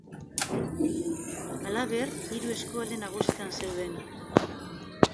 Halaber, hiru eskualde nagusitan zeuden.